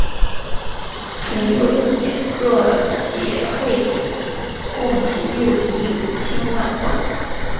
淳佑六年各界会子共计六亿五千万贯。